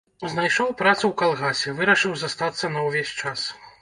Знайшоў працу ў калгасе, вырашыў застацца на ўвесь час.